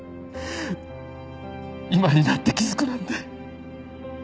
今になって気づくなんて。